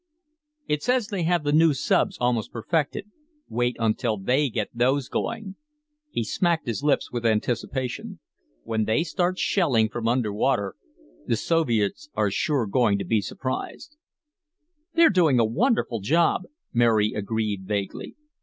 "It says they have the new subs almost perfected. Wait until they get those going." He smacked his lips with anticipation. "When they start shelling from underwater, the Soviets are sure going to be surprised." "They're doing a wonderful job," Mary agreed vaguely.